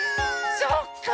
そっか。